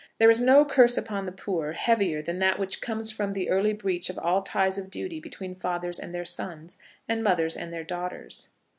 There is no curse upon the poor heavier than that which comes from the early breach of all ties of duty between fathers and their sons, and mothers and their daughters.